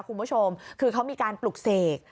คุณผู้ชมคือเขามีการปลุกเสก